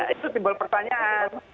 itu simbol pertanyaan